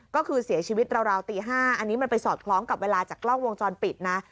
ก็คือเสียชีวิตราวตี๕อันนี้มันไปสอดคล้องกับเวลาจากกล้องวงจรปิดนะ